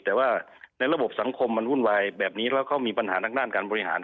แต่ว่าในระบบสังคมมันวุ่นวายแบบนี้แล้วเขามีปัญหาทางด้านการบริหาร